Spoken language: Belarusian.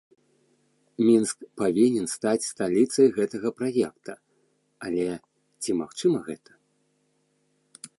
Мінск павінен стаць сталіцай гэтага праекта, але, ці магчыма гэта?